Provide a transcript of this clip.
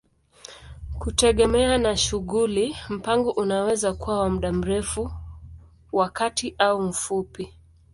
Kutegemea na shughuli, mpango unaweza kuwa wa muda mrefu, wa kati au mfupi.